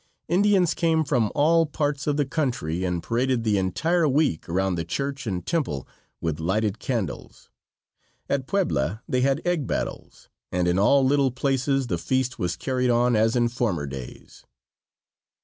Indians came from all parts of the country and paraded the entire week around the church and temple with lighted candles. At Puebla they had egg battles, and in all little places the feast was carried on as in former days.